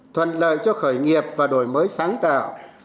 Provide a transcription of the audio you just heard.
thuận lợi cho khởi nghiệp và đổi mới sáng tạo